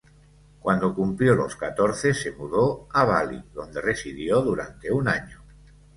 Cuando cumplió los catorce se mudó a Bali, donde residió durante un año.